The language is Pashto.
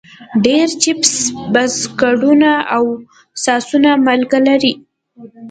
ډېری چپس، بسکټونه او ساسونه مالګه لري.